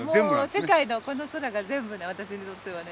もう世界のこの空が全部私にとってはね。